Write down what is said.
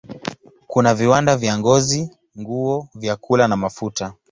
Kuna viwanda vya ngozi, nguo, vyakula na mafuta.